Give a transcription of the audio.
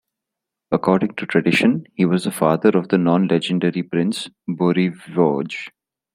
According to tradition, he was the father of the non-legendary prince Bořivoj.